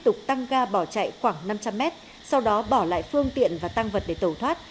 đã bỏ lại phương tiện và tăng vật để tẩu thoát